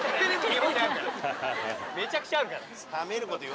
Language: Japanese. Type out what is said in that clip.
めちゃくちゃあるから。